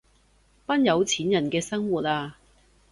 班有錢人嘅生活啊